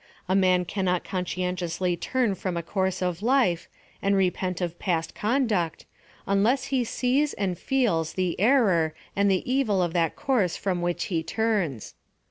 A man cannot con scientiously turn from a course of life, and repent o^' past conduct, unless he sees and feels the error and the evil of that course from which he turns.